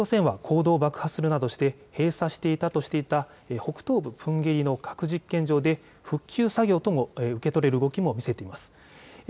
北朝鮮は坑道を爆破するなどして閉鎖していたとしていた北東部プンゲリの核実験場で復旧作業とも受け取れる動きも見せています。